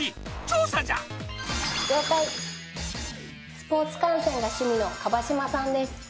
スポーツ観戦が趣味の樺島さんです。